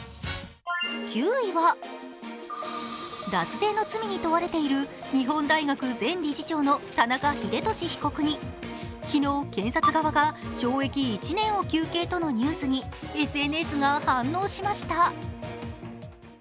９位は、脱税の罪に問われている日本大学前理事長の田中英寿被告に昨日検察側が懲役１年を求刑とのニュースにＳＮＳが反応しました。